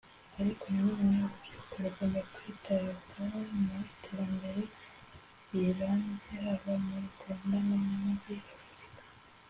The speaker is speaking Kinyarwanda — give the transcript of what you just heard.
ariko na none urubyiruko rugomba kwitabwaho mu iterambere rirambye haba mu Rwanda no muri Afurika